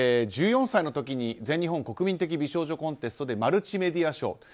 １４歳の時に全日本国民的美少女コンテストでマルチメディア賞。